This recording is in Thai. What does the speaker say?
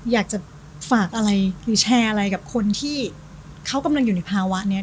อยากจะฝากอะไรหรือแชร์อะไรกับคนที่เขากำลังอยู่ในภาวะนี้